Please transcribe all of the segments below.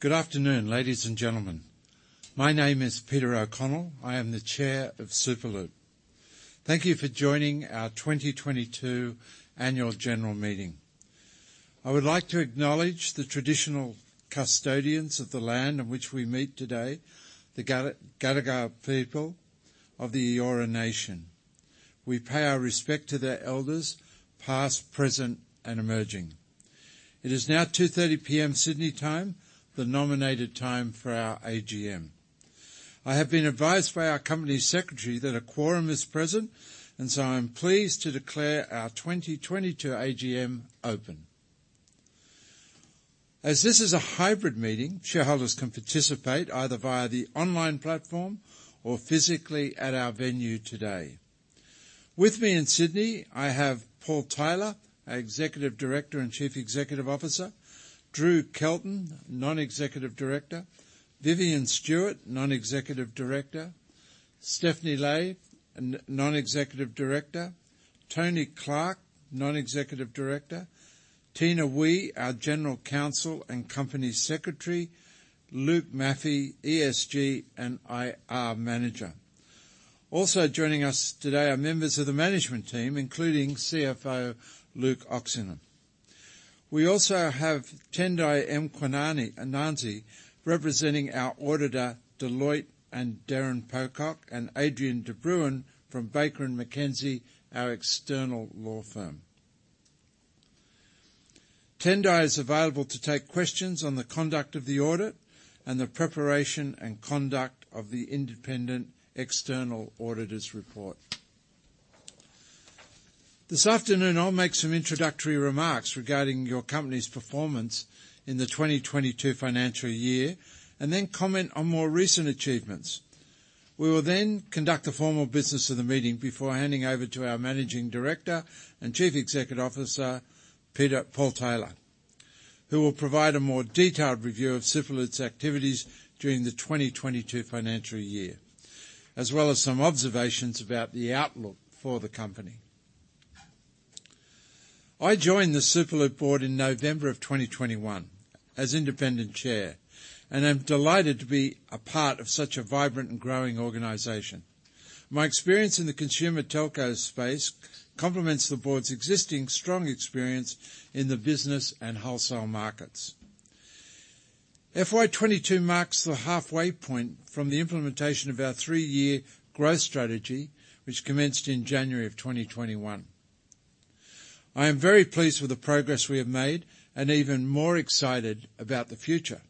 Good afternoon, ladies and gentlemen. My name is Peter O'Connell. I am the Chair of Superloop. Thank you for joining our 2022 annual general meeting. I would like to acknowledge the traditional custodians of the land on which we meet today, the Gadigal people of the Eora Nation. We pay our respect to their elders, past, present, and emerging. It is now 2:30 P.M. Sydney time, the nominated time for our AGM. I have been advised by our company secretary that a quorum is present, and so I'm pleased to declare our 2022 AGM open. As this is a hybrid meeting, shareholders can participate either via the online platform or physically at our venue today. With me in Sydney, I have Paul Tyler, our Executive Director and Chief Executive Officer, Drew Kelton, Non-Executive Director, Vivian Stewart, Non-Executive Director, Stephanie Lai, Non-Executive Director, Tony Clark, Non-Executive Director, Tina Ooi, our General Counsel and Company Secretary, Luke Maffey, ESG and IR Manager. Also joining us today are members of the management team, including CFO Luke Oxenham. We also have Tendai Mkwananzi representing our auditor, Deloitte, and Darren Pocock and Adrian de Bruin from Baker McKenzie, our external law firm. Tendai is available to take questions on the conduct of the audit and the preparation and conduct of the independent external auditor's report. This afternoon, I'll make some introductory remarks regarding your company's performance in the 2022 financial year, and then comment on more recent achievements. We will then conduct the formal business of the meeting before handing over to our Managing Director and Chief Executive Officer, Paul Tyler, who will provide a more detailed review of Superloop's activities during the 2022 financial year, as well as some observations about the outlook for the company. I joined the Superloop board in November of 2021 as independent chair, and I'm delighted to be a part of such a vibrant and growing organization. My experience in the consumer telco space complements the board's existing strong experience in the business and wholesale markets. FY 2022 marks the halfway point from the implementation of our three-year growth strategy, which commenced in January of 2021. I am very pleased with the progress we have made and even more excited about the future.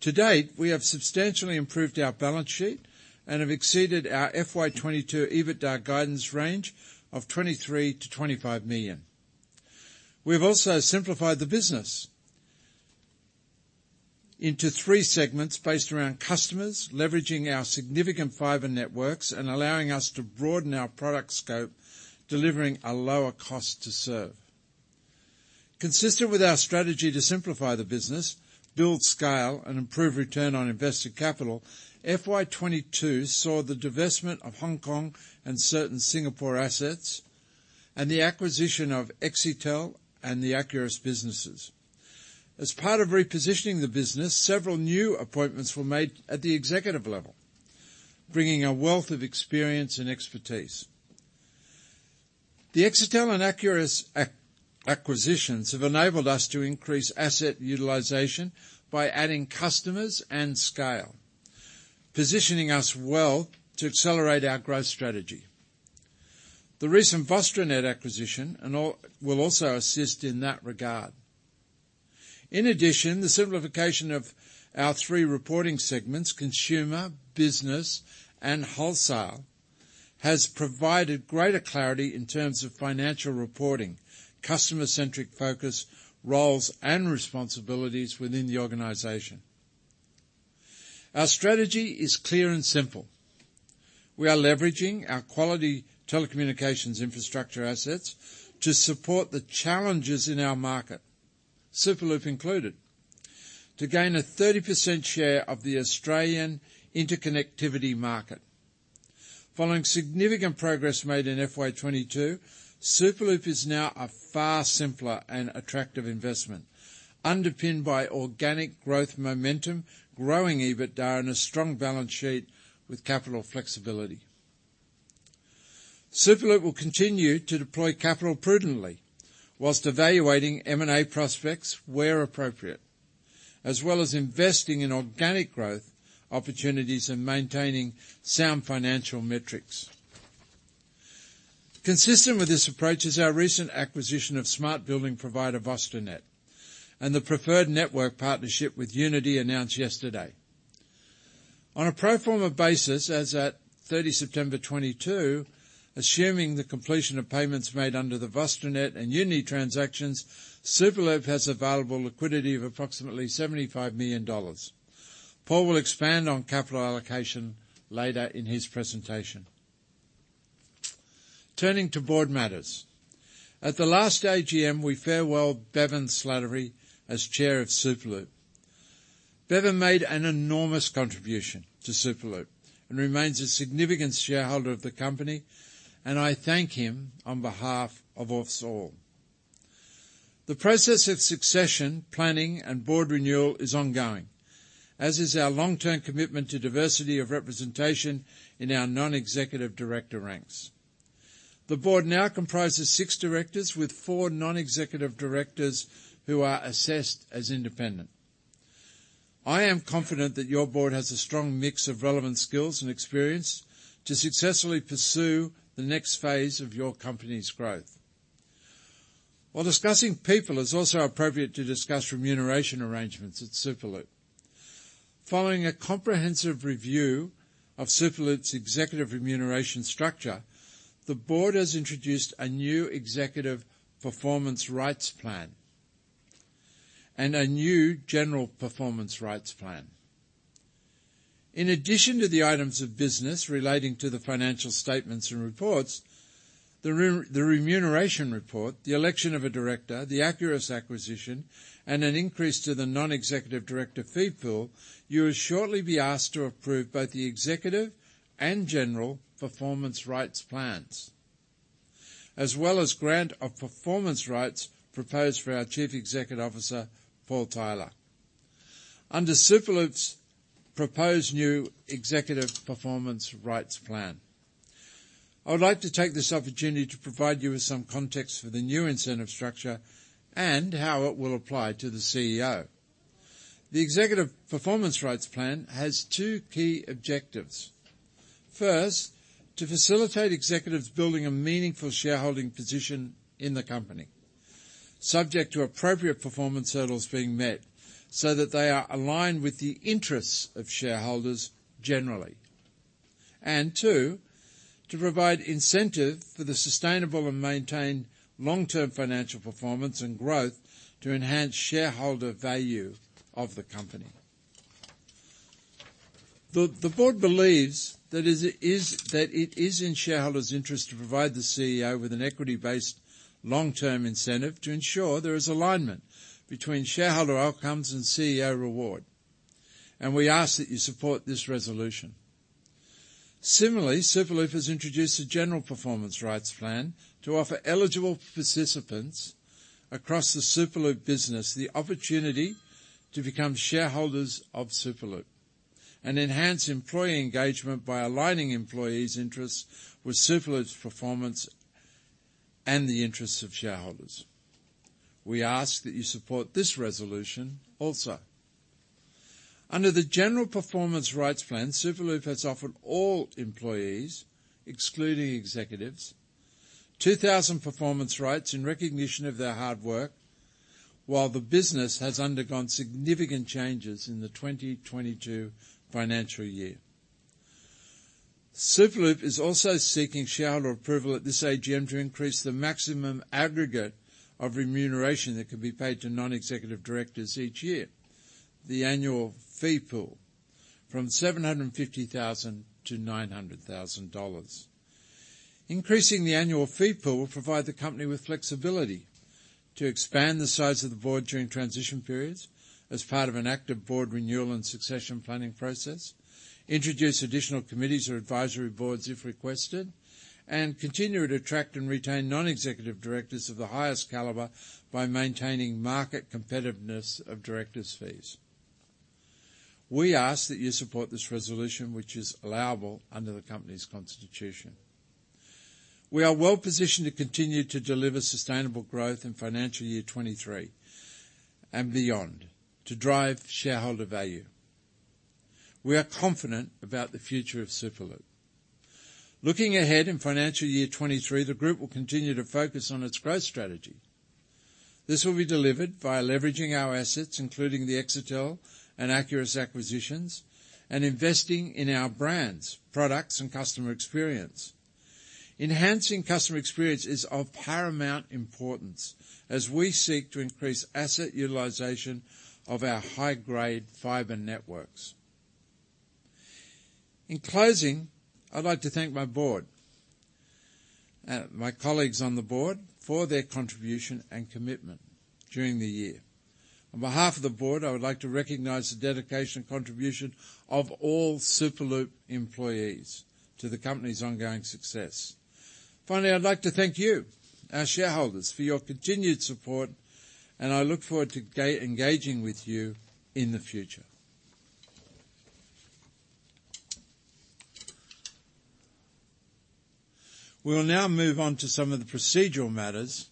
To date, we have substantially improved our balance sheet and have exceeded our FY 2022 EBITDA guidance range of 23 million-25 million. We have also simplified the business into three segments based around customers, leveraging our significant fiber networks and allowing us to broaden our product scope, delivering a lower cost to serve. Consistent with our strategy to simplify the business, build scale, and improve return on invested capital, FY 2022 saw the divestment of Hong Kong and certain Singapore assets and the acquisition of Exetel and the Acurus businesses. As part of repositioning the business, several new appointments were made at the executive level, bringing a wealth of experience and expertise. The Exetel and Acurus acquisitions have enabled us to increase asset utilization by adding customers and scale, positioning us well to accelerate our growth strategy. The recent VostroNet acquisition will also assist in that regard. In addition, the simplification of our three reporting segments, consumer, business, and wholesale, has provided greater clarity in terms of financial reporting, customer-centric focus, roles, and responsibilities within the organization. Our strategy is clear and simple. We are leveraging our quality telecommunications infrastructure assets to support the challenges in our market, Superloop included, to gain a 30% share of the Australian interconnectivity market. Following significant progress made in FY 2022, Superloop is now a far simpler and attractive investment, underpinned by organic growth momentum, growing EBITDA, and a strong balance sheet with capital flexibility. Superloop will continue to deploy capital prudently while evaluating M&A prospects where appropriate, as well as investing in organic growth opportunities and maintaining sound financial metrics. Consistent with this approach is our recent acquisition of smart building provider VostroNet and the preferred network partnership with Uniti announced yesterday. On a pro forma basis, as at 30 September 2022, assuming the completion of payments made under the VostroNet and Uniti transactions, Superloop has available liquidity of approximately $ 75 million. Paul will expand on capital allocation later in his presentation. Turning to board matters. At the last AGM, we farewelled Bevan Slattery as Chair of Superloop. Bevan made an enormous contribution to Superloop and remains a significant shareholder of the company, and I thank him on behalf of us all. The process of succession planning and board renewal is ongoing, as is our long-term commitment to diversity of representation in our non-executive director ranks. The board now comprises six directors with four non-executive directors who are assessed as independent. I am confident that your board has a strong mix of relevant skills and experience to successfully pursue the next phase of your company's growth. While discussing people, it's also appropriate to discuss remuneration arrangements at Superloop. Following a comprehensive review of Superloop's executive remuneration structure, the board has introduced a new executive performance rights plan and a new general performance rights plan. In addition to the items of business relating to the financial statements and reports, the remuneration report, the election of a director, the Acurus acquisition, and an increase to the non-executive director fee pool, you will shortly be asked to approve both the executive and general performance rights plans, as well as grant of performance rights proposed for our Chief Executive Officer, Paul Tyler, under Superloop's proposed new executive performance rights plan. I would like to take this opportunity to provide you with some context for the new incentive structure and how it will apply to the CEO. The executive performance rights plan has two key objectives. First, to facilitate executives building a meaningful shareholding position in the company, subject to appropriate performance hurdles being met, so that they are aligned with the interests of shareholders generally. Two, to provide incentive for the sustainable and maintained long-term financial performance and growth to enhance shareholder value of the company. The board believes that it is in shareholders' interest to provide the CEO with an equity-based long-term incentive to ensure there is alignment between shareholder outcomes and CEO reward, and we ask that you support this resolution. Similarly, Superloop has introduced a general performance rights plan to offer eligible participants across the Superloop business the opportunity to become shareholders of Superloop and enhance employee engagement by aligning employees' interests with Superloop's performance and the interests of shareholders. We ask that you support this resolution also. Under the general performance rights plan, Superloop has offered all employees, excluding executives, 2,000 performance rights in recognition of their hard work while the business has undergone significant changes in the 2022 financial year. Superloop is also seeking shareholder approval at this AGM to increase the maximum aggregate of remuneration that can be paid to non-executive directors each year, the annual fee pool, from $ 750 thousand to $ 900 thousand. Increasing the annual fee pool will provide the company with flexibility to expand the size of the board during transition periods as part of an active board renewal and succession planning process, introduce additional committees or advisory boards if requested, and continue to attract and retain non-executive directors of the highest caliber by maintaining market competitiveness of directors' fees. We ask that you support this resolution, which is allowable under the company's constitution. We are well-positioned to continue to deliver sustainable growth in financial year 2023 and beyond to drive shareholder value. We are confident about the future of Superloop. Looking ahead in financial year 2023, the group will continue to focus on its growth strategy. This will be delivered via leveraging our assets, including the Exetel and Acurus acquisitions, and investing in our brands, products, and customer experience. Enhancing customer experience is of paramount importance as we seek to increase asset utilization of our high-grade fiber networks. In closing, I'd like to thank my board, my colleagues on the board for their contribution and commitment during the year. On behalf of the board, I would like to recognize the dedication and contribution of all Superloop employees to the company's ongoing success. Finally, I'd like to thank you, our shareholders, for your continued support, and I look forward to engaging with you in the future. We will now move on to some of the procedural matters.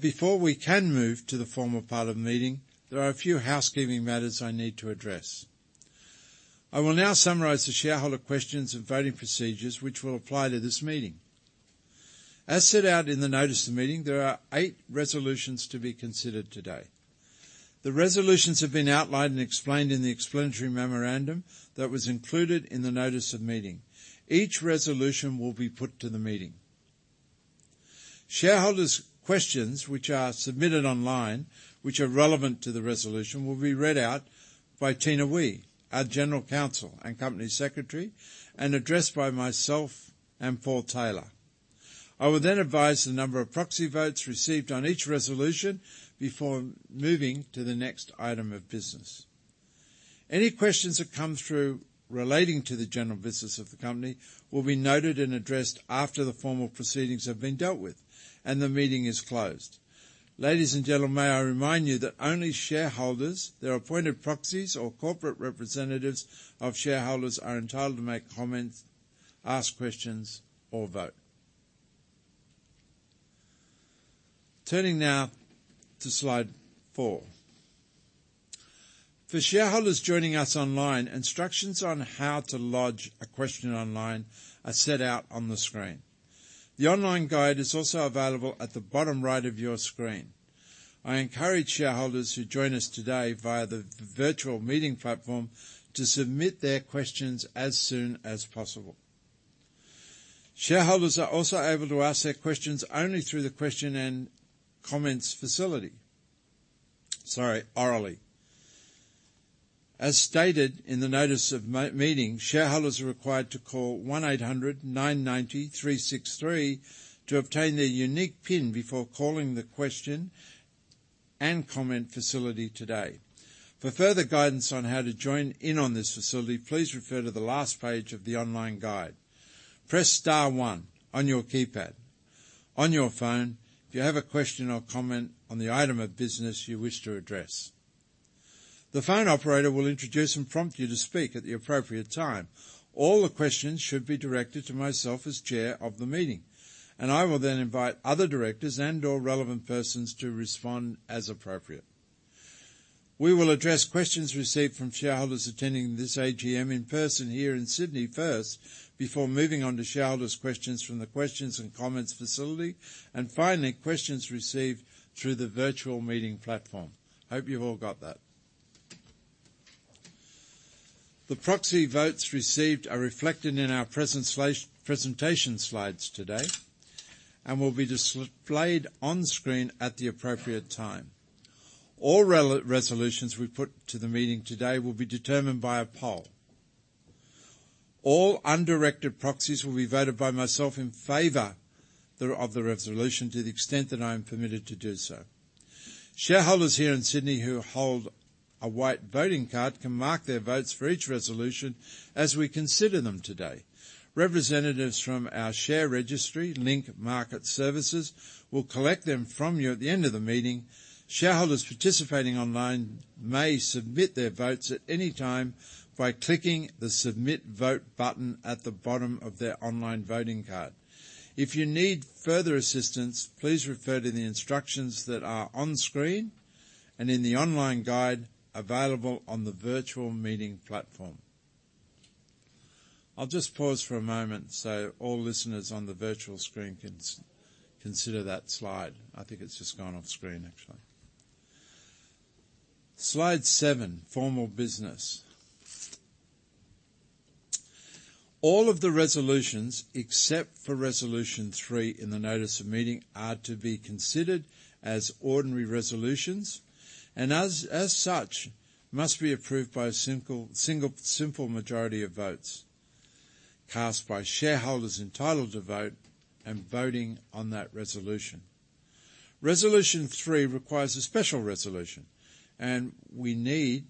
Before we can move to the formal part of the meeting, there are a few housekeeping matters I need to address. I will now summarize the shareholder questions and voting procedures which will apply to this meeting. As set out in the notice of meeting, there are eight resolutions to be considered today. The resolutions have been outlined and explained in the explanatory memorandum that was included in the notice of meeting. Each resolution will be put to the meeting. Shareholders' questions which are submitted online, which are relevant to the resolution, will be read out by Tina Ooi, our General Counsel and Company Secretary, and addressed by myself and Paul Tyler. I will then advise the number of proxy votes received on each resolution before moving to the next item of business. Any questions that come through relating to the general business of the company will be noted and addressed after the formal proceedings have been dealt with and the meeting is closed. Ladies and gentlemen, may I remind you that only shareholders, their appointed proxies, or corporate representatives of shareholders are entitled to make comments, ask questions, or vote. Turning now to slide four. For shareholders joining us online, instructions on how to lodge a question online are set out on the screen. The online guide is also available at the bottom right of your screen. I encourage shareholders who join us today via the virtual meeting platform to submit their questions as soon as possible. Shareholders are also able to ask their questions only through the question and comments facility. Sorry, orally. As stated in the notice of meeting, shareholders are required to call 1-800-993-63 to obtain their unique PIN before calling the question and comment facility today. For further guidance on how to join in on this facility, please refer to the last page of the online guide. Press star one on your keypad on your phone if you have a question or comment on the item of business you wish to address. The phone operator will introduce and prompt you to speak at the appropriate time. All the questions should be directed to myself as chair of the meeting, and I will then invite other directors and/or relevant persons to respond as appropriate. We will address questions received from shareholders attending this AGM in person here in Sydney first, before moving on to shareholders' questions from the questions and comments facility, and finally, questions received through the virtual meeting platform. Hope you've all got that. The proxy votes received are reflected in our presentation slides today and will be displayed on screen at the appropriate time. All resolutions we put to the meeting today will be determined by a poll. All undirected proxies will be voted by myself in favor of the resolution to the extent that I am permitted to do so. Shareholders here in Sydney who hold a white voting card can mark their votes for each resolution as we consider them today. Representatives from our share registry, Link Market Services, will collect them from you at the end of the meeting. Shareholders participating online may submit their votes at any time by clicking the Submit Vote button at the bottom of their online voting card. If you need further assistance, please refer to the instructions that are on screen and in the online guide available on the virtual meeting platform. I'll just pause for a moment so all listeners on the virtual screen can consider that slide. I think it's just gone off-screen, actually. Slide seven, formal business. All of the resolutions, except for resolution three in the notice of meeting, are to be considered as ordinary resolutions and as such must be approved by a simple majority of votes cast by shareholders entitled to vote and voting on that resolution. Resolution three requires a special resolution, and will need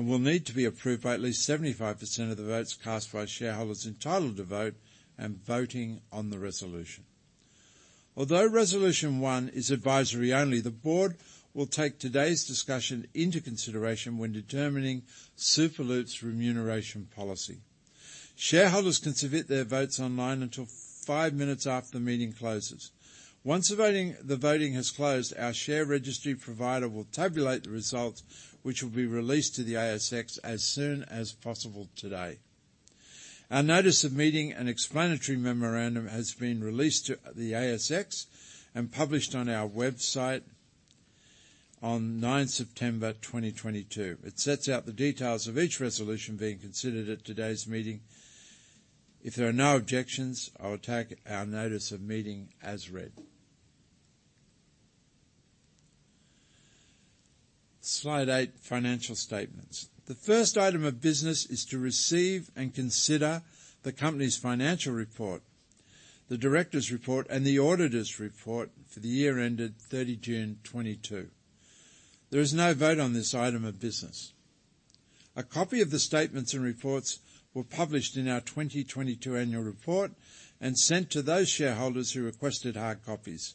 to be approved by at least 75% of the votes cast by shareholders entitled to vote and voting on the resolution. Although resolution one is advisory only, the board will take today's discussion into consideration when determining Superloop's remuneration policy. Shareholders can submit their votes online until five minutes after the meeting closes. Once the voting has closed, our share registry provider will tabulate the results, which will be released to the ASX as soon as possible today. Our notice of meeting and explanatory memorandum has been released to the ASX and published on our website on 9 September 2022. It sets out the details of each resolution being considered at today's meeting. If there are no objections, I'll take our notice of meeting as read. Slide eight, financial statements. The first item of business is to receive and consider the company's financial report, the director's report, and the auditor's report for the year ended 30 June 2022. There is no vote on this item of business. A copy of the statements and reports were published in our 2022 annual report and sent to those shareholders who requested hard copies.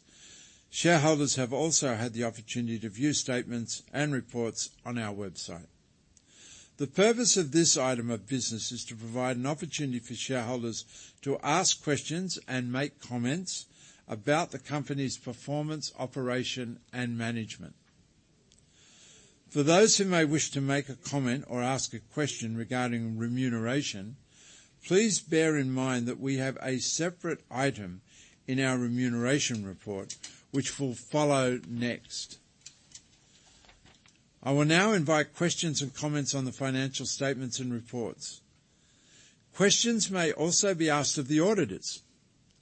Shareholders have also had the opportunity to view statements and reports on our website. The purpose of this item of business is to provide an opportunity for shareholders to ask questions and make comments about the company's performance, operation, and management. For those who may wish to make a comment or ask a question regarding remuneration, please bear in mind that we have a separate item in our remuneration report which will follow next. I will now invite questions and comments on the financial statements and reports. Questions may also be asked of the auditors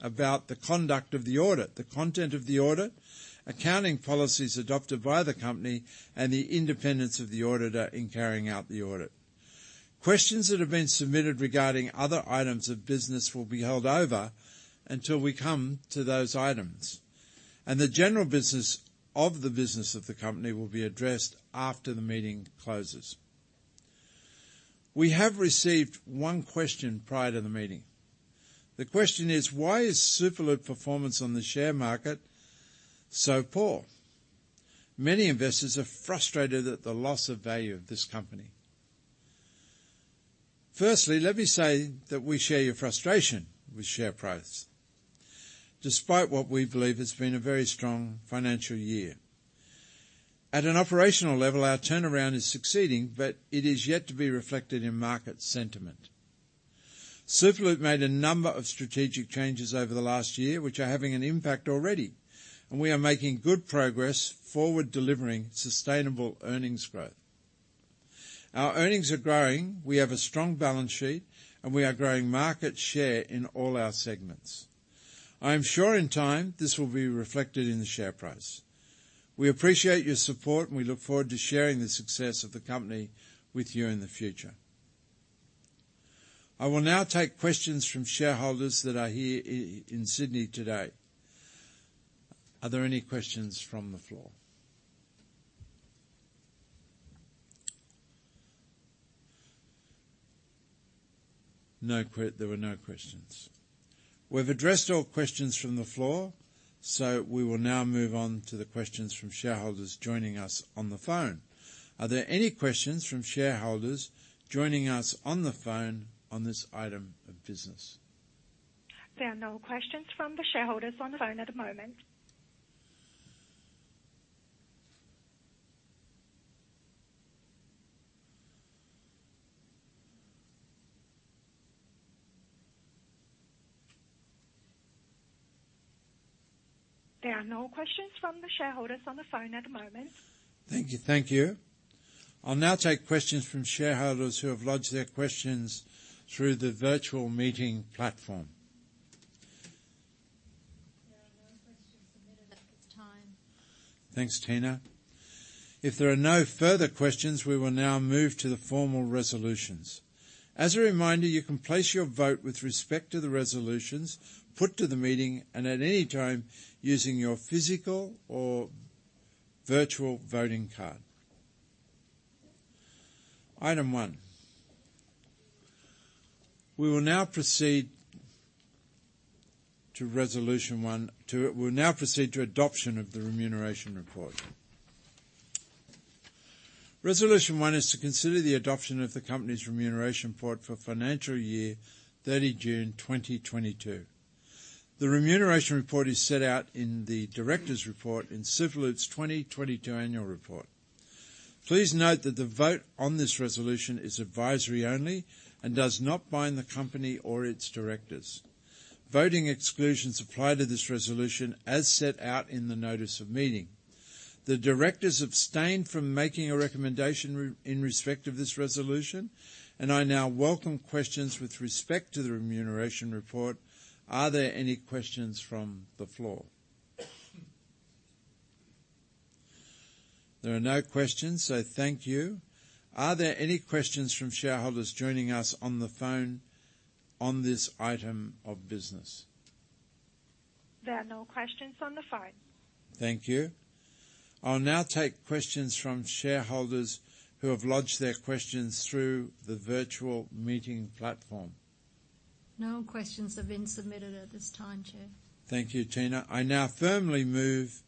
about the conduct of the audit, the content of the audit, accounting policies adopted by the company, and the independence of the auditor in carrying out the audit. Questions that have been submitted regarding other items of business will be held over until we come to those items, and the general business of the company will be addressed after the meeting closes. We have received one question prior to the meeting. The question is: Why is Superloop performance on the share market so poor? Many investors are frustrated at the loss of value of this company. Firstly, let me say that we share your frustration with share price, despite what we believe has been a very strong financial year. At an operational level, our turnaround is succeeding, but it is yet to be reflected in market sentiment. Superloop made a number of strategic changes over the last year, which are having an impact already, and we are making good progress forward delivering sustainable earnings growth. Our earnings are growing, we have a strong balance sheet, and we are growing market share in all our segments. I am sure in time, this will be reflected in the share price. We appreciate your support, and we look forward to sharing the success of the company with you in the future. I will now take questions from shareholders that are here in Sydney today. Are there any questions from the floor? There were no questions. We've addressed all questions from the floor, so we will now move on to the questions from shareholders joining us on the phone. Are there any questions from shareholders joining us on the phone on this item of business? There are no questions from the shareholders on the phone at the moment. Thank you. Thank you. I'll now take questions from shareholders who have lodged their questions through the virtual meeting platform. There are no questions submitted at this time. Thanks, Tina. If there are no further questions, we will now move to the formal resolutions. As a reminder, you can place your vote with respect to the resolutions put to the meeting and at any time using your physical or virtual voting card. Item one. We'll now proceed to adoption of the remuneration report. Resolution one is to consider the adoption of the company's remuneration report for financial year 30 June 2022. The remuneration report is set out in the director's report in Superloop's 2022 annual report. Please note that the vote on this resolution is advisory only and does not bind the company or its directors. Voting exclusions apply to this resolution as set out in the notice of meeting. The directors abstained from making a recommendation in respect of this resolution, and I now welcome questions with respect to the remuneration report. Are there any questions from the floor? There are no questions, so thank you. Are there any questions from shareholders joining us on the phone on this item of business? There are no questions on the phone. Thank you. I'll now take questions from shareholders who have lodged their questions through the virtual meeting platform. No questions have been submitted at this time, Chair. Thank you, Tina. I now firmly move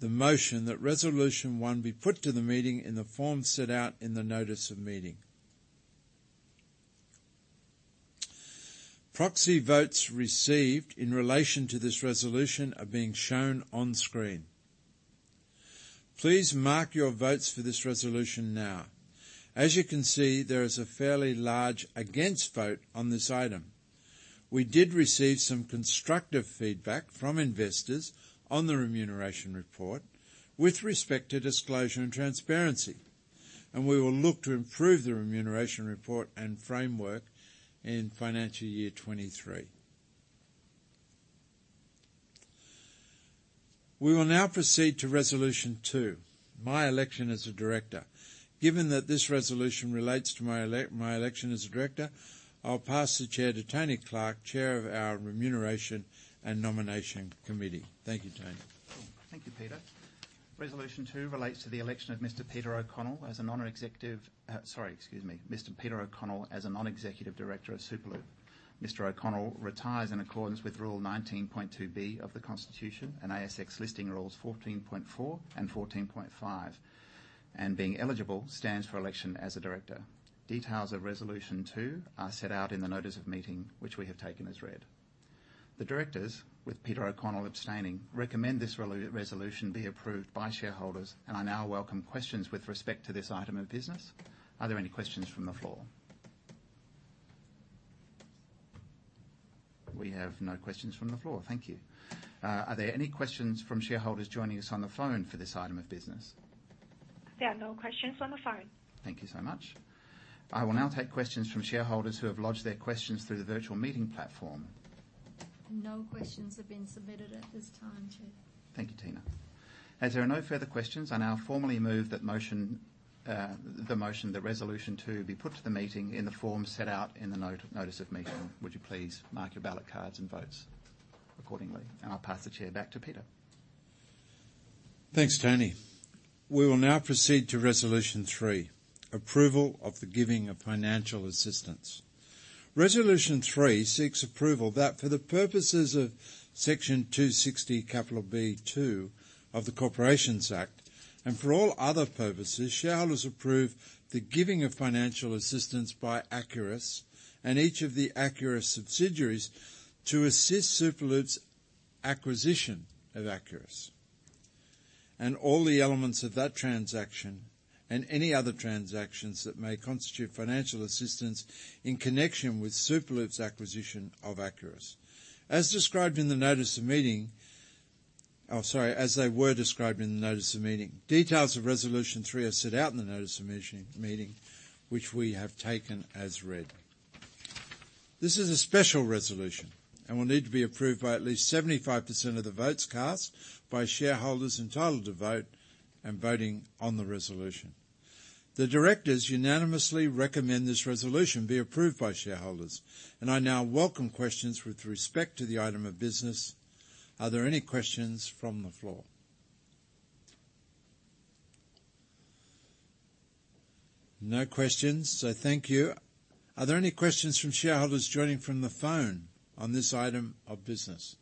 the motion that resolution one be put to the meeting in the form set out in the notice of meeting. Proxy votes received in relation to this resolution are being shown on screen. Please mark your votes for this resolution now. As you can see, there is a fairly large against vote on this item. We did receive some constructive feedback from investors on the remuneration report with respect to disclosure and transparency, and we will look to improve the remuneration report and framework in financial year 2023. We will now proceed to resolution two, my election as a director. Given that this resolution relates to my election as a director, I'll pass the chair to Tony Clark, chair of our Remuneration and Nomination Committee. Thank you, Tony. Thank you, Peter. Resolution two relates to the election of Mr. Peter O'Connell as a non-executive director of Superloop. Mr. O'Connell retires in accordance with Rule 19.2(b) of the Constitution and ASX Listing Rules 14.4 and 14.5, and being eligible, stands for election as a director. Details of resolution two are set out in the notice of meeting, which we have taken as read. The directors, with Peter O'Connell abstaining, recommend this resolution be approved by shareholders and I now welcome questions with respect to this item of business. Are there any questions from the floor? We have no questions from the floor. Thank you. Are there any questions from shareholders joining us on the phone for this item of business? There are no questions on the phone. Thank you so much. I will now take questions from shareholders who have lodged their questions through the virtual meeting platform. No questions have been submitted at this time, Chair. Thank you, Tina. As there are no further questions, I now formally move that motion, the motion that resolution two be put to the meeting in the form set out in the notice of meeting. Would you please mark your ballot cards and votes accordingly. I'll pass the chair back to Peter. Thanks, Tony. We will now proceed to Resolution three, approval of the giving of financial assistance. Resolution three seeks approval that for the purposes of Section 260B(2) of the Corporations Act, and for all other purposes, shareholders approve the giving of financial assistance by Acurus and each of the Acurus subsidiaries to assist Superloop's acquisition of Acurus, and all the elements of that transaction and any other transactions that may constitute financial assistance in connection with Superloop's acquisition of Acurus. As they were described in the notice of meeting, details of Resolution three are set out in the notice of meeting which we have taken as read. This is a special resolution and will need to be approved by at least 75% of the votes cast by shareholders entitled to vote and voting on the resolution. The directors unanimously recommend this resolution be approved by shareholders, and I now welcome questions with respect to the item of business. Are there any questions from the floor? No questions. Thank you. Are there any questions from shareholders joining from the phone on this item of business?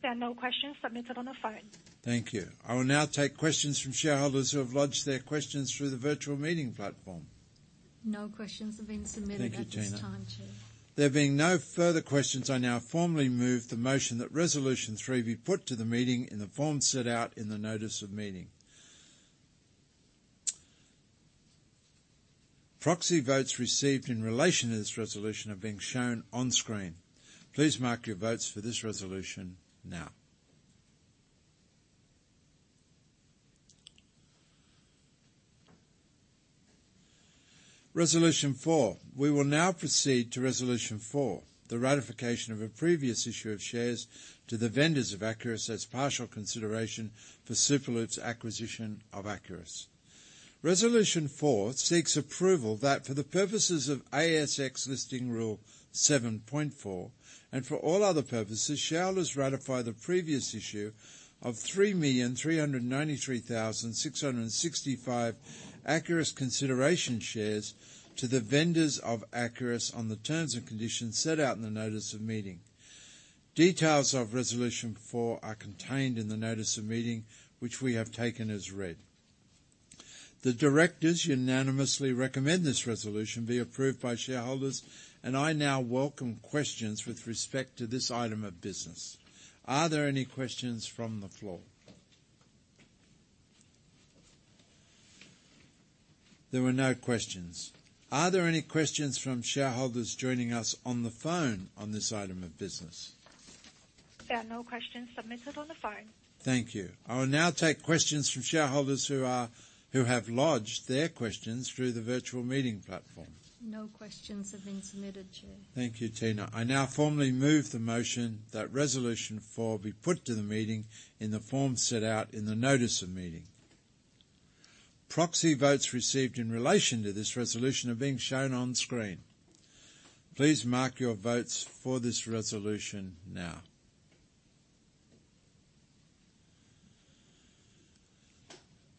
There are no questions submitted on the phone. Thank you. I will now take questions from shareholders who have lodged their questions through the virtual meeting platform. No questions have been submitted. Thank you, Tina. At this time, Chair. There being no further questions, I now formally move the motion that resolution three be put to the meeting in the form set out in the notice of meeting. Proxy votes received in relation to this resolution are being shown on screen. Please mark your votes for this resolution now. Resolution four. We will now proceed to resolution four, the ratification of a previous issue of shares to the vendors of Acurus as partial consideration for Superloop's acquisition of Acurus. Resolution four seeks approval that for the purposes of ASX Listing Rule 7.4, and for all other purposes, shareholders ratify the previous issue of 3,393,665 Acurus consideration shares to the vendors of Acurus on the terms and conditions set out in the notice of meeting. Details of resolution four are contained in the notice of meeting, which we have taken as read. The directors unanimously recommend this resolution be approved by shareholders, and I now welcome questions with respect to this item of business. Are there any questions from the floor? There are no questions. Are there any questions from shareholders joining us on the phone on this item of business? There are no questions submitted on the phone. Thank you. I will now take questions from shareholders who have lodged their questions through the virtual meeting platform. No questions have been submitted, Chair. Thank you, Tina. I now formally move the motion that Resolution four be put to the meeting in the form set out in the notice of meeting. Proxy votes received in relation to this resolution are being shown on screen. Please mark your votes for this resolution now.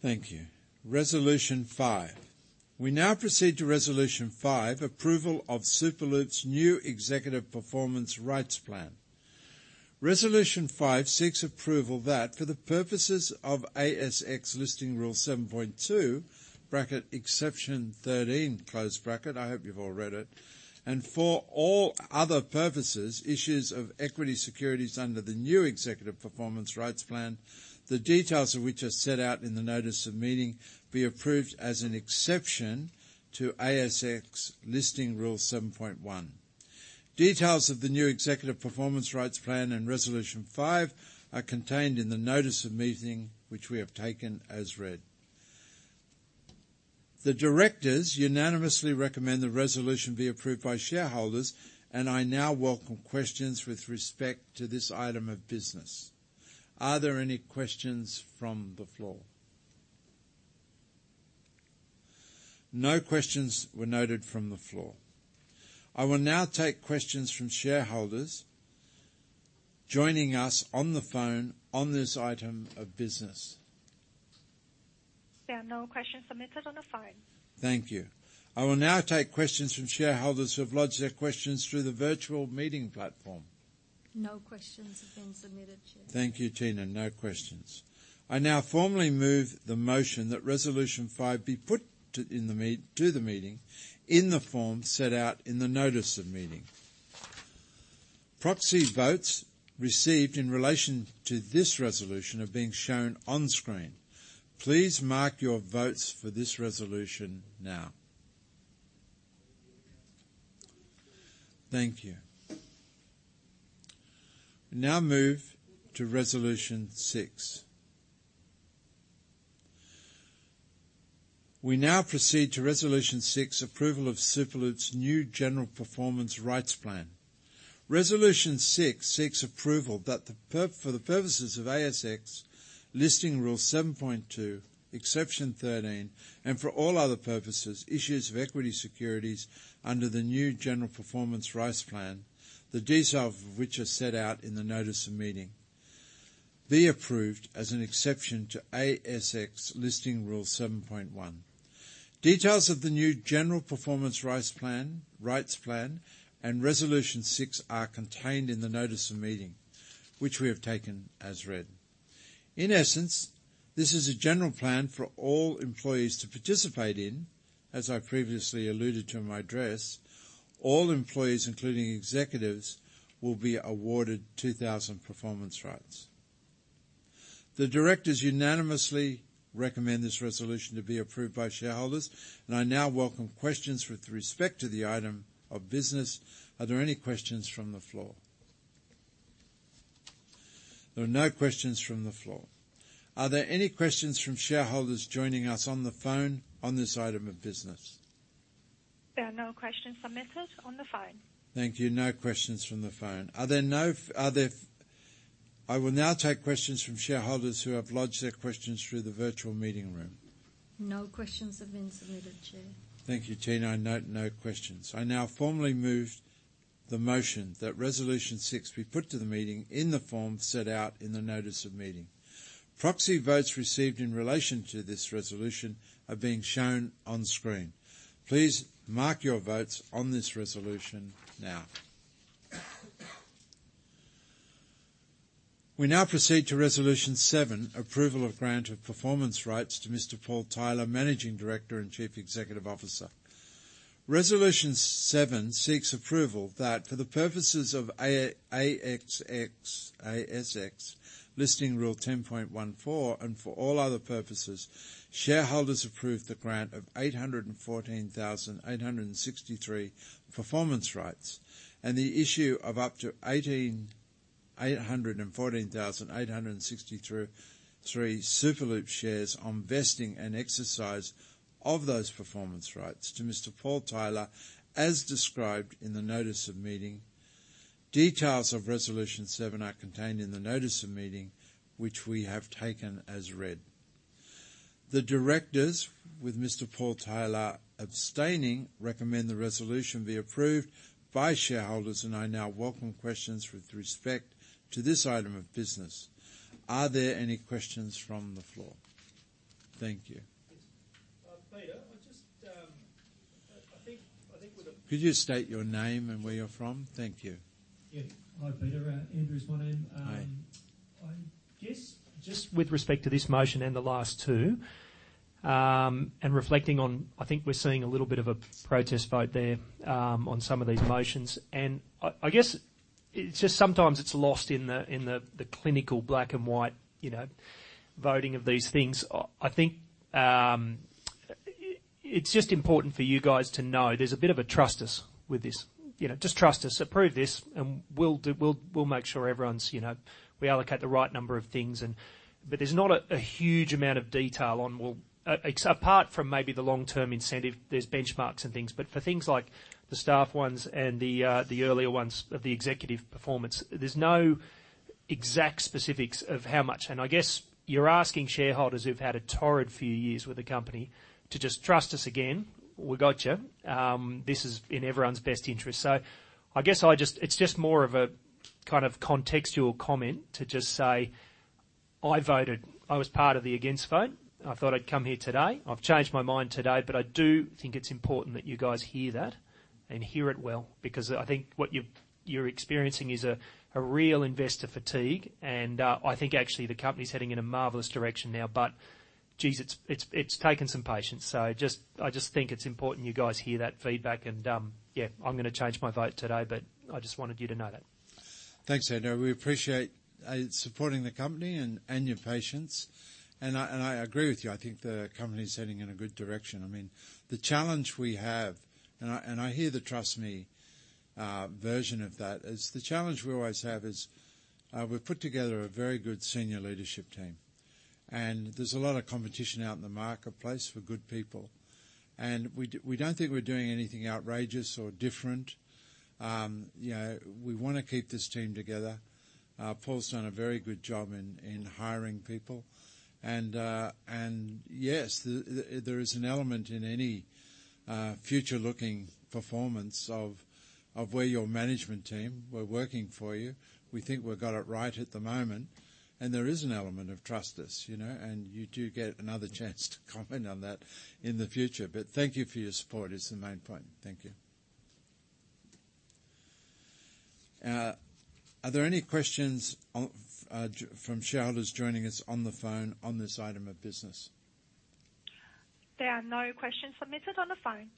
Thank you. Resolution five. We now proceed to Resolution five, approval of Superloop's new executive performance rights plan. Resolution five seeks approval that for the purposes of ASX Listing Rule 7.2 (Exception 13), I hope you've all read it, and for all other purposes, issues of equity securities under the new executive performance rights plan, the details of which are set out in the notice of meeting, be approved as an exception to ASX Listing Rule 7.1. Details of the new executive performance rights plan and resolution five are contained in the notice of meeting, which we have taken as read. The directors unanimously recommend the resolution be approved by shareholders, and I now welcome questions with respect to this item of business. Are there any questions from the floor? No questions were noted from the floor. I will now take questions from shareholders joining us on the phone on this item of business. There are no questions submitted on the phone. Thank you. I will now take questions from shareholders who have lodged their questions through the virtual meeting platform. No questions have been submitted, Chair. Thank you, Tina. No questions. I now formally move the motion that Resolution five be put to the meeting in the form set out in the notice of meeting. Proxy votes received in relation to this resolution are being shown on screen. Please mark your votes for this resolution now. Thank you. We now proceed to Resolution six: Approval of Superloop's new general performance rights plan. Resolution six seeks approval that for the purposes of ASX Listing Rule 7.2, Exception 13, and for all other purposes, issues of equity securities under the new general performance rights plan, the details of which are set out in the notice of meeting, be approved as an exception to ASX Listing Rule 7.1. Details of the new general performance rights plan, rights plan and Resolution six are contained in the notice of meeting, which we have taken as read. In essence, this is a general plan for all employees to participate in. As I previously alluded to in my address, all employees, including executives, will be awarded 2000 performance rights. The directors unanimously recommend this resolution to be approved by shareholders, and I now welcome questions with respect to the item of business. Are there any questions from the floor? There are no questions from the floor. Are there any questions from shareholders joining us on the phone on this item of business? There are no questions submitted on the phone. Thank you. No questions from the phone. I will now take questions from shareholders who have lodged their questions through the virtual meeting room. No questions have been submitted, Chair. Thank you, Tina. I note no questions. I now formally move the motion that Resolution Six be put to the meeting in the form set out in the notice of meeting. Proxy votes received in relation to this resolution are being shown on screen. Please mark your votes on this resolution now. We now proceed to Resolution Seven: Approval of grant of performance rights to Mr. Paul Tyler, Managing Director and Chief Executive Officer. Resolution Seven seeks approval that for the purposes of ASX Listing Rule 10.14, and for all other purposes, shareholders approve the grant of 814,863 performance rights and the issue of up to 814,863 Superloop shares on vesting and exercise of those performance rights to Mr. Paul Tyler, as described in the notice of meeting. Details of Resolution Seven are contained in the notice of meeting, which we have taken as read. The directors, with Mr. Paul Tyler abstaining, recommend the resolution be approved by shareholders, and I now welcome questions with respect to this item of business. Are there any questions from the floor? Thank you. Yes. Peter, I just think Could you state your name and where you're from? Thank you. Yeah. Hi, Peter. Andrew is my name. Hi. I guess just with respect to this motion and the last two, and reflecting on, I think we're seeing a little bit of a protest vote there, on some of these motions. I guess it's just sometimes it's lost in the clinical black and white, you know, voting of these things. I think it's just important for you guys to know there's a bit of a trust us with this. You know, just trust us. Approve this, and we'll do, we'll make sure everyone's, you know, we allocate the right number of things and. There's not a huge amount of detail on, well, apart from maybe the long-term incentive, there's benchmarks and things, but for things like the staff ones and the earlier ones of the executive performance, there's no exact specifics of how much. I guess you're asking shareholders who've had a torrid few years with the company to just trust us again. We gotcha. This is in everyone's best interest. I guess I just. It's just more of a kind of contextual comment to just say I voted. I was part of the against vote. I thought I'd come here today. I've changed my mind today, but I do think it's important that you guys hear that and hear it well, because I think what you're experiencing is a real investor fatigue, and I think actually the company's heading in a marvelous direction now, but jeez, it's taken some patience. I just think it's important you guys hear that feedback and, yeah, I'm gonna change my vote today, but I just wanted you to know that. Thanks, Andrew. We appreciate supporting the company and your patience. I agree with you. I think the company is heading in a good direction. I mean, the challenge we have, I hear you, trust me, is the challenge we always have, we've put together a very good senior leadership team, and there's a lot of competition out in the marketplace for good people. We don't think we're doing anything outrageous or different. You know, we wanna keep this team together. Paul's done a very good job in hiring people. Yes, there is an element in any future looking performance of where your management team were working for you. We think we've got it right at the moment. There is an element of trust us, you know, and you do get another chance to comment on that in the future. Thank you for your support is the main point. Thank you. Are there any questions from shareholders joining us on the phone on this item of business? There are no questions submitted on the phone.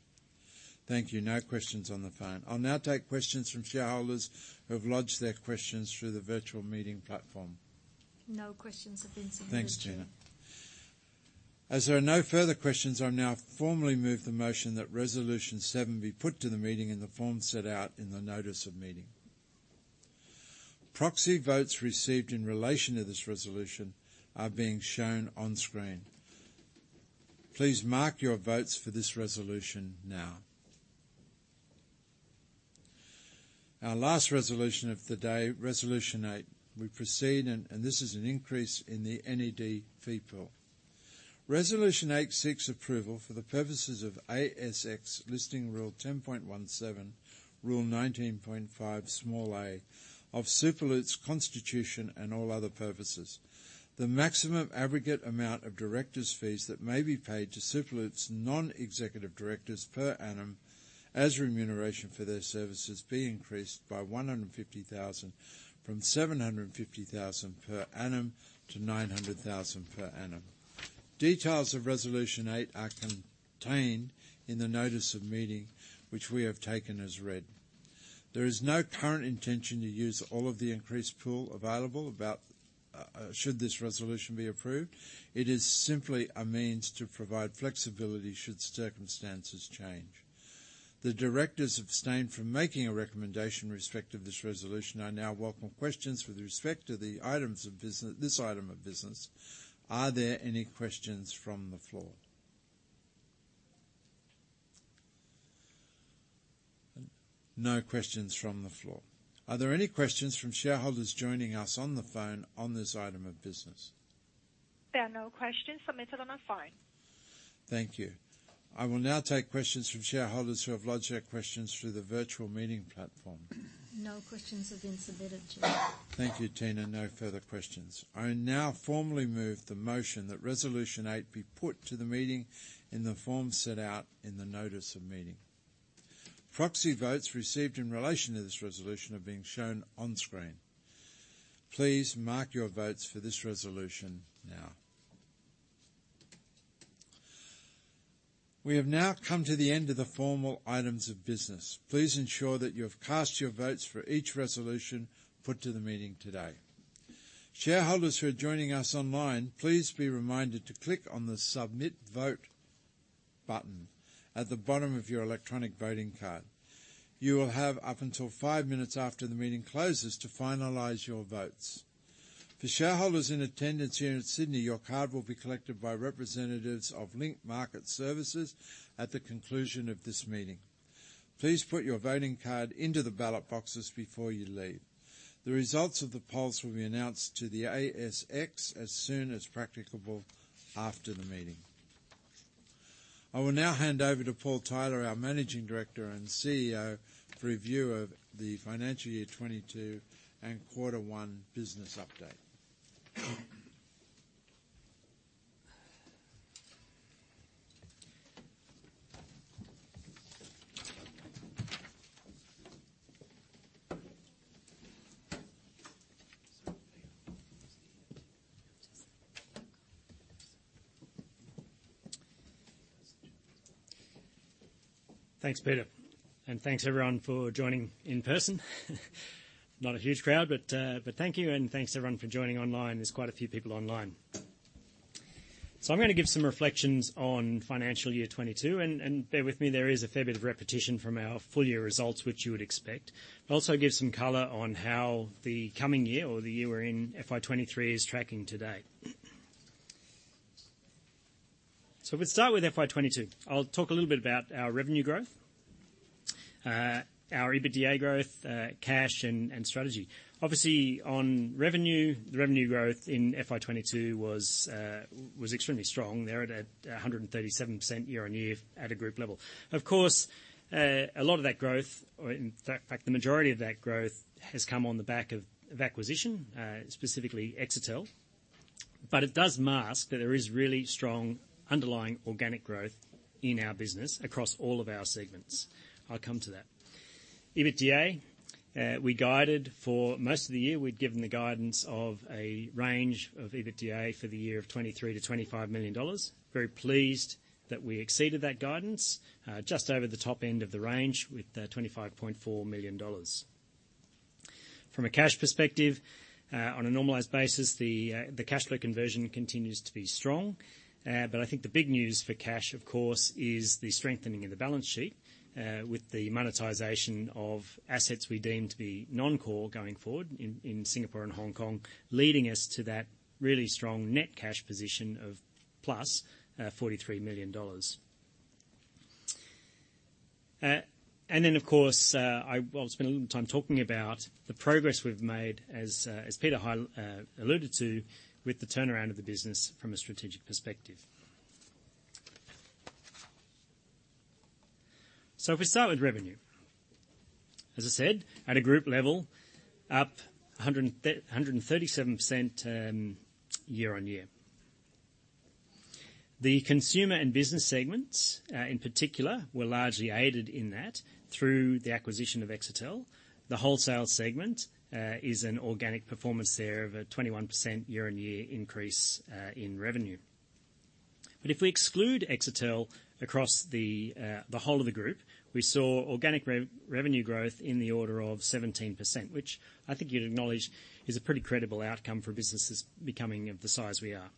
Thank you. No questions on the phone. I'll now take questions from shareholders who have lodged their questions through the virtual meeting platform. No questions have been submitted. Thanks, Tina. As there are no further questions, I'll now formally move the motion that Resolution Seven be put to the meeting in the form set out in the notice of meeting. Proxy votes received in relation to this resolution are being shown on screen. Please mark your votes for this resolution now. Our last resolution of the day, Resolution Eight. We proceed, and this is an increase in the NED fee pool. Resolution Eight seeks approval for the purposes of ASX Listing Rule 10.17, Rule 19.5(a) of Superloop's constitution and all other purposes. The maximum aggregate amount of directors' fees that may be paid to Superloop's non-executive directors per annum as remuneration for their services be increased by 150,000 from 750,000 per annum to 900,000 per annum. Details of Resolution eight are contained in the notice of meeting, which we have taken as read. There is no current intention to use all of the increased pool available should this resolution be approved. It is simply a means to provide flexibility should circumstances change. The directors abstained from making a recommendation in respect of this resolution. I now welcome questions with respect to this item of business. Are there any questions from the floor? No questions from the floor. Are there any questions from shareholders joining us on the phone on this item of business? There are no questions submitted on the phone. Thank you. I will now take questions from shareholders who have lodged their questions through the virtual meeting platform. No questions have been submitted, Chair. Thank you, Tina. No further questions. I now formally move the motion that Resolution eight be put to the meeting in the form set out in the notice of meeting. Proxy votes received in relation to this resolution are being shown on screen. Please mark your votes for this resolution now. We have now come to the end of the formal items of business. Please ensure that you have cast your votes for each resolution put to the meeting today. Shareholders who are joining us online, please be reminded to click on the Submit Vote button at the bottom of your electronic voting card. You will have up until five minutes after the meeting closes to finalize your votes. For shareholders in attendance here in Sydney, your card will be collected by representatives of Link Market Services at the conclusion of this meeting. Please put your voting card into the ballot boxes before you leave. The results of the polls will be announced to the ASX as soon as practicable after the meeting. I will now hand over to Paul Tyler, our Managing Director and CEO, for review of the financial year 2022 and quarter one business update. Thanks, Peter, and thanks everyone for joining in person. Not a huge crowd, but thank you and thanks everyone for joining online. There's quite a few people online. I'm gonna give some reflections on financial year 2022 and bear with me, there is a fair bit of repetition from our full year results, which you would expect. Also give some color on how the coming year or the year we're in, FY 2023, is tracking today. We'll start with FY 2022. I'll talk a little bit about our revenue growth, our EBITDA growth, cash and strategy. Obviously on revenue, the revenue growth in FY 2022 was extremely strong. There at 137% year-on-year at a group level. Of course, a lot of that growth, or in fact, the majority of that growth has come on the back of acquisition, specifically Exetel. It does mask that there is really strong underlying organic growth in our business across all of our segments. I'll come to that. EBITDA, we guided for most of the year. We'd given the guidance of a range of EBITDA for the year of 23 million-25 million dollars. Very pleased that we exceeded that guidance, just over the top end of the range with 25.4 million dollars. From a cash perspective, on a normalized basis, the cash flow conversion continues to be strong. I think the big news for cash, of course, is the strengthening of the balance sheet with the monetization of assets we deem to be non-core going forward in Singapore and Hong Kong, leading us to that really strong net cash position of plus $ 43 million. Of course, I will spend a little time talking about the progress we've made as Peter alluded to with the turnaround of the business from a strategic perspective. If we start with revenue. As I said, at a group level, up 137%, year-on-year. The consumer and business segments in particular were largely aided in that through the acquisition of Exetel. The wholesale segment is an organic performance there of a 21% year-on-year increase in revenue. If we exclude Exetel across the whole of the group, we saw organic revenue growth in the order of 17%, which I think you'd acknowledge is a pretty credible outcome for businesses becoming of the size we are.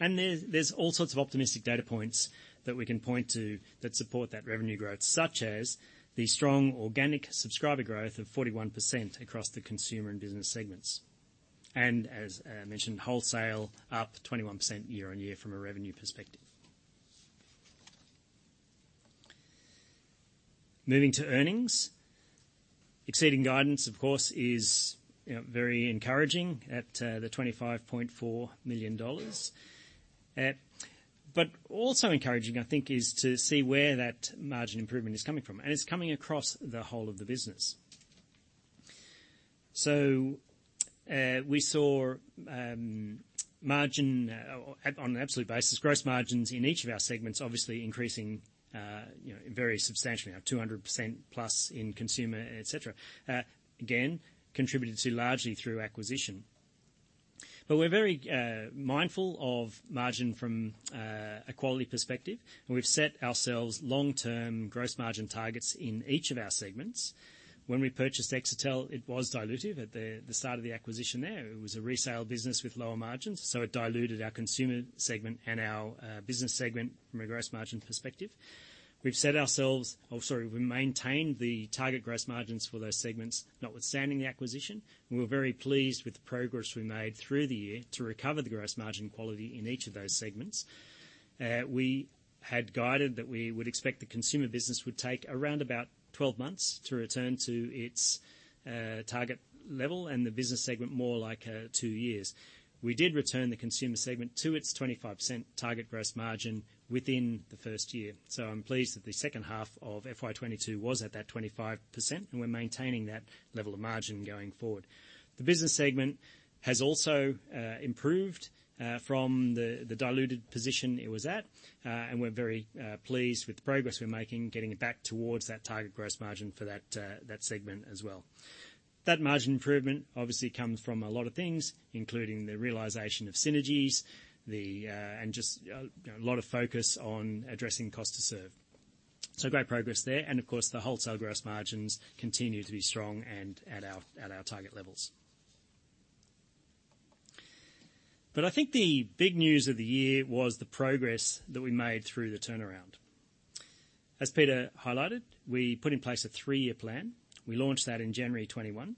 There's all sorts of optimistic data points that we can point to that support that revenue growth, such as the strong organic subscriber growth of 41% across the consumer and business segments. As I mentioned, wholesale up 21% year-on-year from a revenue perspective. Moving to earnings. Exceeding guidance, of course, is, you know, very encouraging at the $ 25.4 million. Also encouraging, I think, is to see where that margin improvement is coming from, and it's coming across the whole of the business. We saw margin on an absolute basis, gross margins in each of our segments obviously increasing, you know, very substantially, at 200%+ in consumer, et cetera. Again, contributed largely through acquisition. We're very mindful of margin from a quality perspective, and we've set ourselves long-term gross margin targets in each of our segments. When we purchased Exetel, it was dilutive at the start of the acquisition there. It was a resale business with lower margins, so it diluted our consumer segment and our business segment from a gross margin perspective. We maintained the target gross margins for those segments, notwithstanding the acquisition. We were very pleased with the progress we made through the year to recover the gross margin quality in each of those segments. We had guided that we would expect the consumer business would take around about 12 months to return to its target level, and the business segment more like two years. We did return the consumer segment to its 25% target gross margin within the first year. I'm pleased that the second half of FY 2022 was at that 25%, and we're maintaining that level of margin going forward. The business segment has also improved from the diluted position it was at. We're very pleased with the progress we're making, getting it back towards that target gross margin for that segment as well. That margin improvement obviously comes from a lot of things, including the realization of synergies, and just you know, a lot of focus on addressing cost to serve. Great progress there. Of course, the wholesale gross margins continue to be strong and at our target levels. I think the big news of the year was the progress that we made through the turnaround. As Peter highlighted, we put in place a three-year plan. We launched that in January 2021,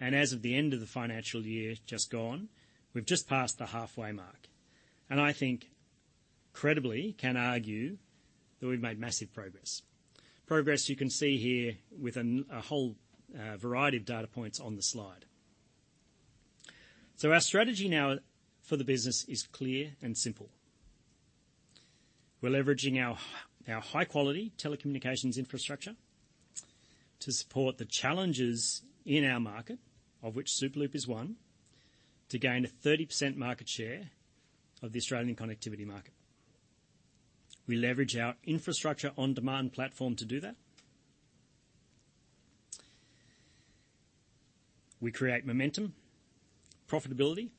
and as of the end of the financial year just gone, we've just passed the halfway mark, and I think we can credibly argue that we've made massive progress. Progress you can see here with a whole variety of data points on the slide. Our strategy now for the business is clear and simple. We're leveraging our high-quality telecommunications infrastructure to support the challenges in our market, of which Superloop is one, to gain a 30% market share of the Australian connectivity market. We leverage our infrastructure on-demand platform to do that. We create momentum, profitability,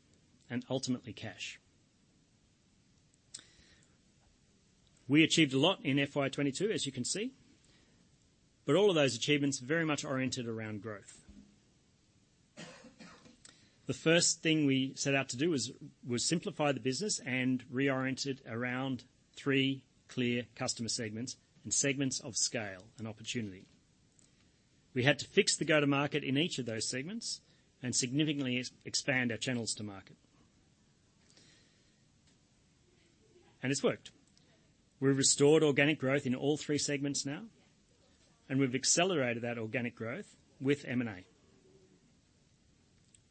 and ultimately cash. We achieved a lot in FY 2022, as you can see, but all of those achievements very much oriented around growth. The first thing we set out to do was simplify the business and reorient it around three clear customer segments and segments of scale and opportunity. We had to fix the go-to-market in each of those segments and significantly expand our channels to market. It's worked. We've restored organic growth in all three segments now, and we've accelerated that organic growth with M&A.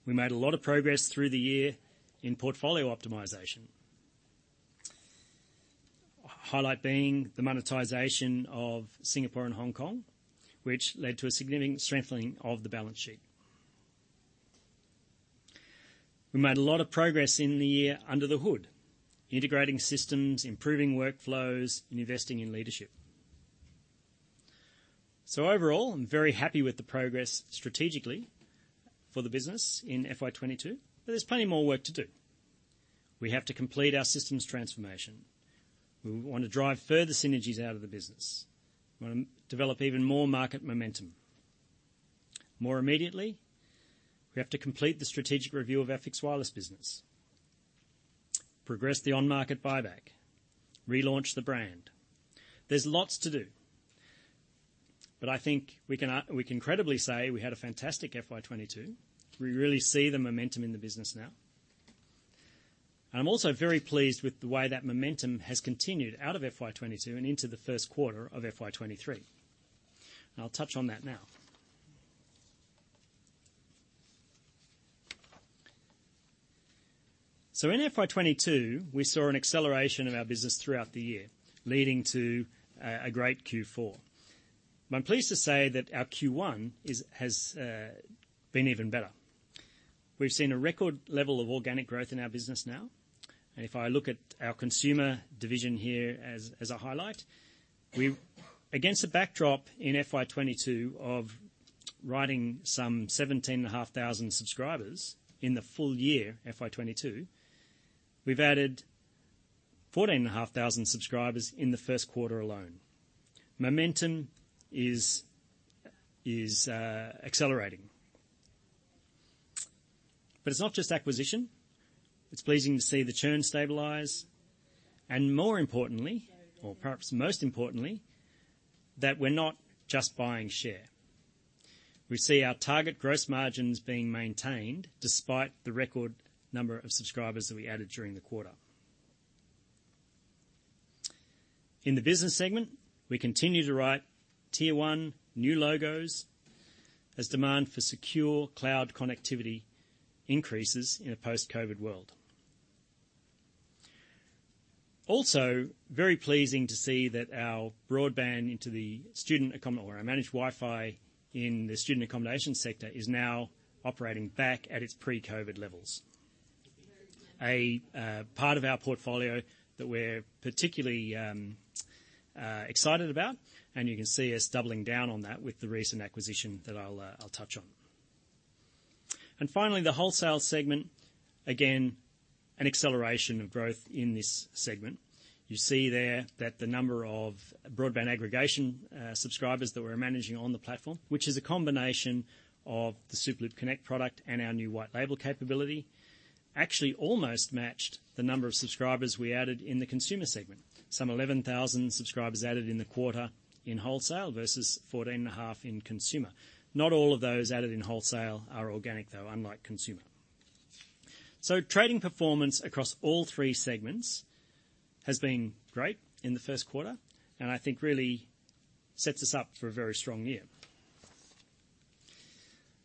We made a lot of progress through the year in portfolio optimization. Highlight being the monetization of Singapore and Hong Kong, which led to a significant strengthening of the balance sheet. We made a lot of progress in the year under the hood, integrating systems, improving workflows, and investing in leadership. Overall, I'm very happy with the progress strategically for the business in FY 2022, but there's plenty more work to do. We have to complete our systems transformation. We want to drive further synergies out of the business. Wanna develop even more market momentum. More immediately, we have to complete the strategic review of fixed wireless business, progress the on-market buyback, relaunch the brand. There's lots to do, but I think we can credibly say we had a fantastic FY 2022. We really see the momentum in the business now. I'm also very pleased with the way that momentum has continued out of FY 2022 and into the Q1 of FY 2023. I'll touch on that now. In FY 2022, we saw an acceleration of our business throughout the year, leading to a great Q4. I'm pleased to say that our Q1 has been even better. We've seen a record level of organic growth in our business now. If I look at our consumer division here as a highlight, against a backdrop in FY 2022 of adding some 17,500 subscribers in the full year, FY 2022, we've added 14,500 subscribers in the Q1 alone. Momentum is accelerating. It's not just acquisition. It's pleasing to see the churn stabilize, and more importantly, or perhaps most importantly, that we're not just buying share. We see our target gross margins being maintained despite the record number of subscribers that we added during the quarter. In the business segment, we continue to write tier one new logos as demand for secure cloud connectivity increases in a post-COVID world. Also, very pleasing to see that our managed Wi-Fi in the student accommodation sector is now operating back at its pre-COVID levels. A part of our portfolio that we're particularly excited about, and you can see us doubling down on that with the recent acquisition that I'll touch on. Finally, the wholesale segment. Again, an acceleration of growth in this segment. You see there that the number of broadband aggregation subscribers that we're managing on the platform, which is a combination of the Superloop Connect product and our new white label capability, actually almost matched the number of subscribers we added in the consumer segment. Some 11,000 subscribers added in the quarter in wholesale versus 14.5 in consumer. Not all of those added in wholesale are organic, though, unlike consumer. Trading performance across all three segments has been great in the Q1, and I think really sets us up for a very strong year.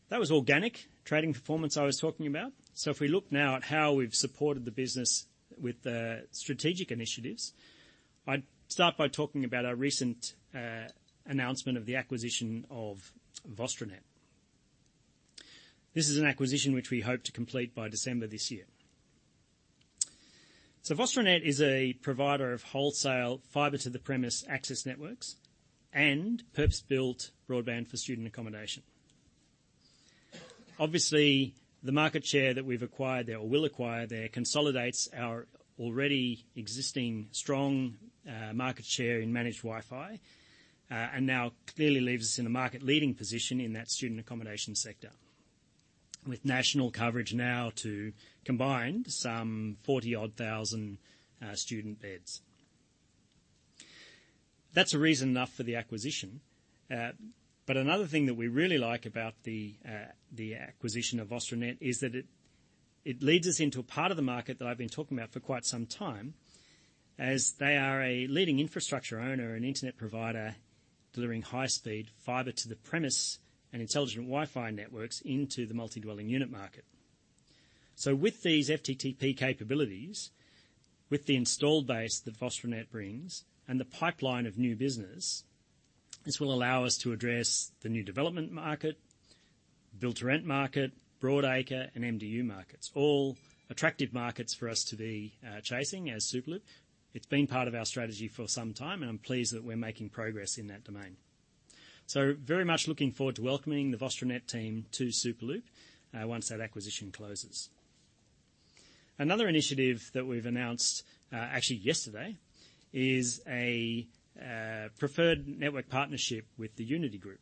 That was organic trading performance I was talking about. If we look now at how we've supported the business with the strategic initiatives, I'd start by talking about our recent announcement of the acquisition of VostroNet. This is an acquisition which we hope to complete by December this year. VostroNet is a provider of wholesale fiber to the premises access networks and purpose-built broadband for student accommodation. Obviously, the market share that we've acquired there, or will acquire there, consolidates our already existing strong, market share in managed Wi-Fi, and now clearly leaves us in a market-leading position in that student accommodation sector, with national coverage now to combined some 40,000 student beds. That's a reason enough for the acquisition. Another thing that we really like about the acquisition of VostroNet is that it leads us into a part of the market that I've been talking about for quite some time, as they are a leading infrastructure owner and internet provider delivering high-speed fiber to the premises and intelligent Wi-Fi networks into the multi-dwelling unit market. With these FTTP capabilities, with the installed base that VostroNet brings and the pipeline of new business, this will allow us to address the new development market, build-to-rent market, broadacre and MDU markets, all attractive markets for us to be chasing as Superloop. It's been part of our strategy for some time, and I'm pleased that we're making progress in that domain. Very much looking forward to welcoming the VostroNet team to Superloop, once that acquisition closes. Another initiative that we've announced, actually yesterday is a preferred network partnership with the Uniti Group.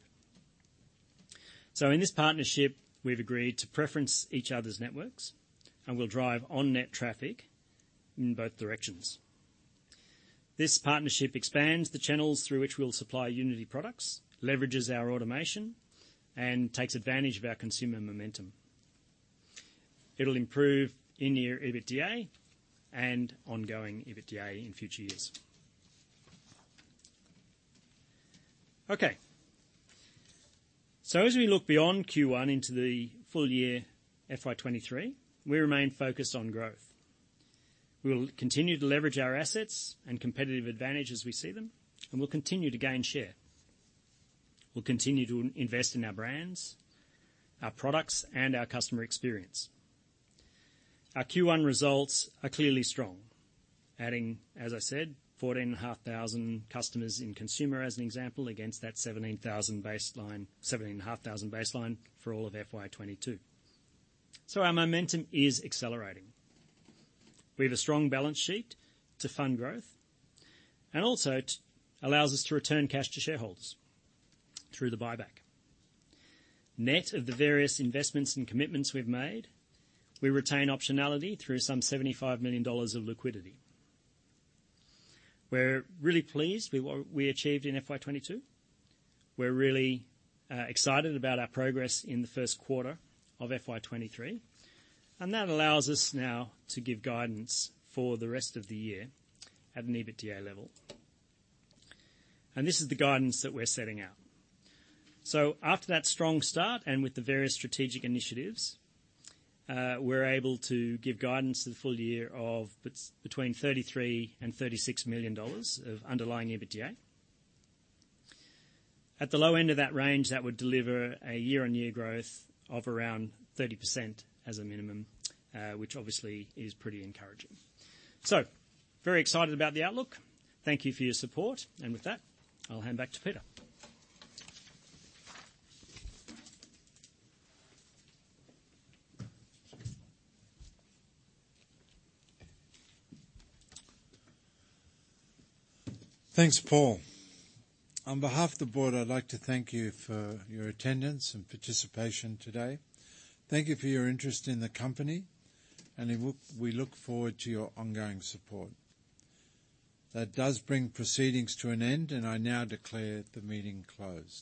In this partnership, we've agreed to preference each other's networks, and we'll drive on-net traffic in both directions. This partnership expands the channels through which we'll supply Unit products, leverages our automation, and takes advantage of our consumer momentum. It'll improve in-year EBITDA and ongoing EBITDA in future years. Okay. As we look beyond Q1 into the full year FY 2023, we remain focused on growth. We'll continue to leverage our assets and competitive advantage as we see them, and we'll continue to gain share. We'll continue to invest in our brands, our products, and our customer experience. Our Q1 results are clearly strong, adding, as I said, 14,500 customers in consumer as an example, against that 17,500 baseline for all of FY 2022. Our momentum is accelerating. We have a strong balance sheet to fund growth, and also allows us to return cash to shareholders through the buyback. Net of the various investments and commitments we've made, we retain optionality through some 75 million dollars of liquidity. We're really pleased with what we achieved in FY 2022. We're really excited about our progress in the Q1 of FY 2023, and that allows us now to give guidance for the rest of the year at an EBITDA level. This is the guidance that we're setting out. After that strong start and with the various strategic initiatives, we're able to give guidance for the full year of between $ 33 millioon and 36 million dollars of underlying EBITDA. At the low end of that range, that would deliver a year-on-year growth of around 30% as a minimum, which obviously is pretty encouraging. Very excited about the outlook. Thank you for your support. With that, I'll hand back to Peter. Thanks, Paul. On behalf of the board, I'd like to thank you for your attendance and participation today. Thank you for your interest in the company, and we look forward to your ongoing support. That does bring proceedings to an end, and I now declare the meeting closed.